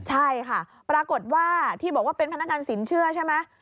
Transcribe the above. ใช่ค่ะปรากฏว่าที่บอกว่าเป็นพนักงานสินเชื่อใช่ไหม